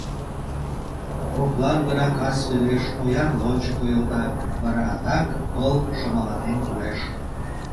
Коклан гына, кас велеш, ояр лончо койылда, вара адак пыл шымаланен толеш.